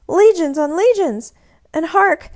Legions on legions. And hark!